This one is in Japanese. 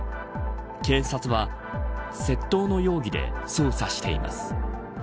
警察は、窃盗の容疑で捜査しています。